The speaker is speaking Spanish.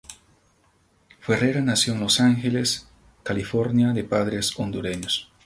Ferrera nació en Los Ángeles, California de padres hondureños.